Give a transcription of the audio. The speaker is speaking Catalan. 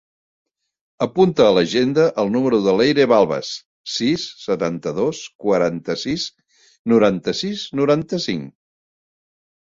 Apunta a l'agenda el número de l'Eire Balbas: sis, setanta-dos, quaranta-sis, noranta-sis, noranta-cinc.